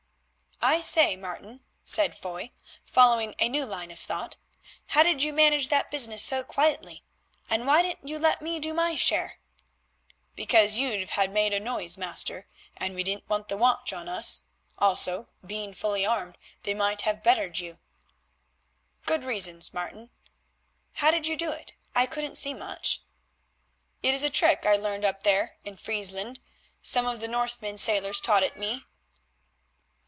"I say, Martin," said Foy, following a new line of thought, "how did you manage that business so quietly, and why didn't you let me do my share?" "Because you'd have made a noise, master, and we didn't want the watch on us; also, being fully armed, they might have bettered you." "Good reasons, Martin. How did you do it? I couldn't see much." "It is a trick I learned up there in Friesland. Some of the Northmen sailors taught it me.